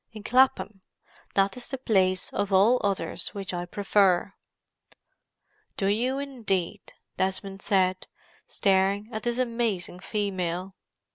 In Clapham. That is the place of all others which I prefer." "Do you, indeed?" Desmond said, staring at this amazing female.